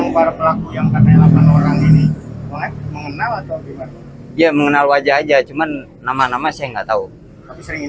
bagaimana perbedaan antara saudara kenal sama orang ini